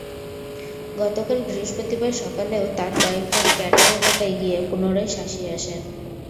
গতকাল বৃহস্পতিবার সকালেও তাঁর কয়েকজন ক্যাডার এলাকায় গিয়ে পুনরায় শাসিয়ে আসেন।